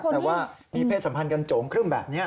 แต่ว่ามีเพศสัมพันธ์กันโจงครึ่มแบบนี้